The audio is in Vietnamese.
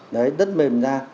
đấy đất mềm ra